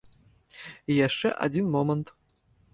І яшчэ адзін момант.